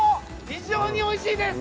非常においしいです。